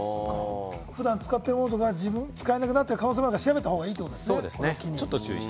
普段使ってるものとか、使えなくなってる可能性があるから調べた方がいいかもしれませんね。